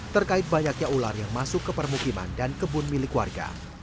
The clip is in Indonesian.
terkait banyaknya ular yang masuk ke permukiman dan kebun milik warga